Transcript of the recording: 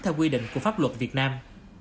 theo quy định của pháp luật việt nam